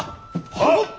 はっ。